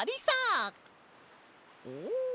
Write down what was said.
お！